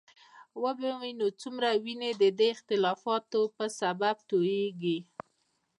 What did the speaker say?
وبه وینو څومره وینې د دې اختلافونو په سبب تویېږي.